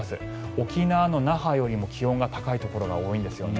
沖縄の那覇よりも気温が高いところが多いんですよね。